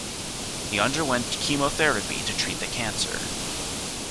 He underwent chemotherapy to treat the cancer.